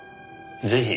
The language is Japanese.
ぜひ。